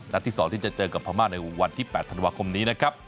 ที่๒ที่จะเจอกับพม่าในวันที่๘ธันวาคมนี้นะครับ